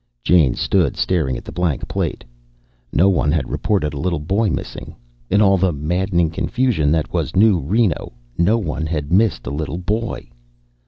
Jane stood staring at the blank plate. No one had reported a little boy missing. In all the maddening confusion that was New Reno, no one had missed a little boy.